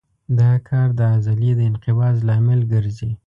دا کار د عضلې د انقباض لامل ګرځي.